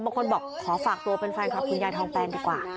บางคนบอกขอฝากตัวเป็นแฟนคลับคุณยายทองแปลงดีกว่า